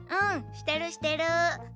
してるしてる。